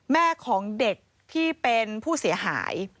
แม่ของเด็กที่เป็นผู้เสียหาย